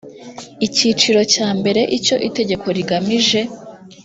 icyiciro cya mbere icyo itegeko rigamije